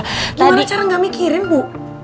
gimana cara gak mikirin bu